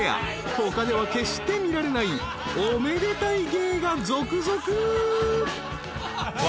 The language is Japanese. ［他では決して見られないおめでたい芸が続々］